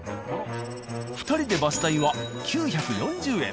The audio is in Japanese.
２人でバス代は９４０円。